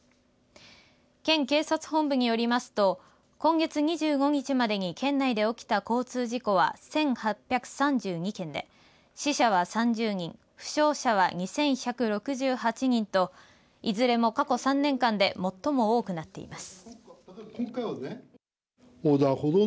県警察本部によりますと今月２５日までに県内で起きた交通事故は１８３２件で死者は３０人負傷者は２１６８人といずれも過去３年間で最も多くなっています。